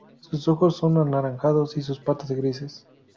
Sus ojos son anaranjados y sus patas grises.